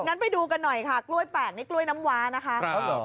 งั้นไปดูกันหน่อยค่ะกล้วยแปลกนี่กล้วยน้ำว้านะคะ